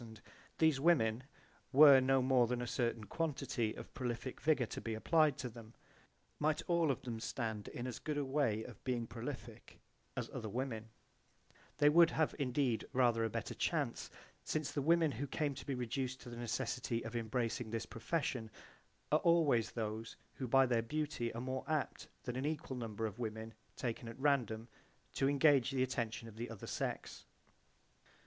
These women, were no more than a certain quantity of prolific vigour to be applied to them, might all of them stand in as good a way of being prolific as other women: they would have indeed rather a better chance since the women who came to be reduced to the necessity of embracing this profession are always those who by their beauty are more apt than an equal number of women taken at random to engage the attention of the other sex.